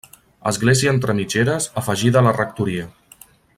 Església entre mitgeres afegida a la rectoria.